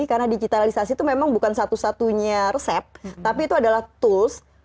karena digitalisasi itu memang bukan satu satunya resep tapi itu adalah tools